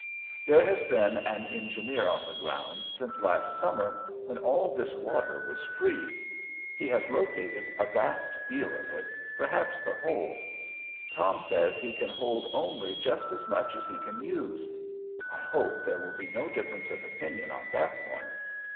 There has been an engineer on the ground since last summer, when all this water was free. He has located a vast deal of it, perhaps the whole. Tom says he can hold only just as much as he can use; I hope there will be no difference of opinion on that point.